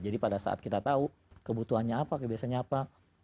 jadi pada saat kita tahu kebutuhannya apa kebiasaannya apa